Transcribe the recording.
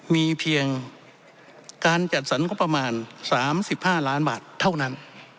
มีเพียงการจัดสรรงบประมาณ๓๕ล้านบาทเท่านั้น